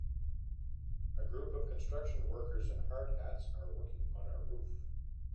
A group of construction workers in hard hats are working on a roof